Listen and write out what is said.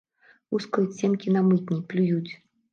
Лускаюць семкі на мытні, плююць.